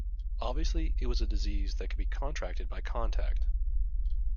Obviously, it was a disease that could be contracted by contact.